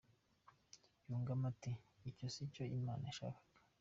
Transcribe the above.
Yungamo ati” Icyo si cyo Imana yashakaga.